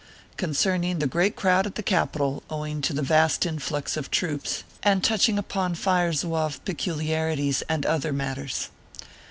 CONCERNING THE GREAT CROWD AT THE CAPITAL, OWING TO THE VAST INFLUX OF TROOPS, AND TOUCHING UPON FIRE ZOUAVE PECULIARI TIES AND OTHER MATTERS.